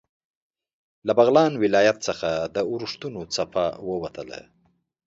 له بغلان ولایت څخه د اورښتونو څپه ووتل.